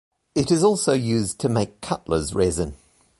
It is also used to make cutler's resin.